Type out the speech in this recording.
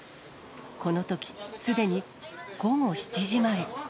このとき、すでに午後７時前。